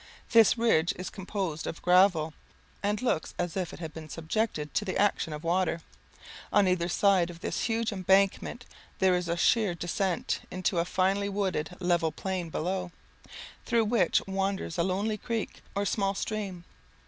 This ridge is composed of gravel, and looks as if it had been subjected to the action of water. On either side of this huge embankment there is a sheer descent into a finely wooded level plain below, through which wanders a lonely creek, or small stream.